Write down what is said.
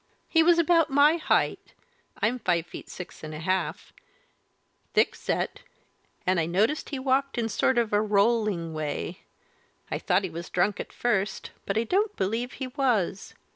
"He was about my height I'm five feet six and a half thick set, and I noticed he walked in a sort of rolling way; I thought he was drunk at first, but I don't believe he was.